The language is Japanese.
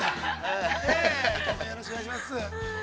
よろしくお願いします。